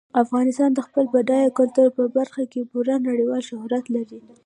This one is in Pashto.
افغانستان د خپل بډایه کلتور په برخه کې پوره نړیوال شهرت لري.